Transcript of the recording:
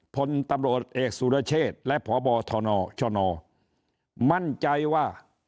พลตำรวจเอกสุรเชษและพบทนชนมั่นใจว่า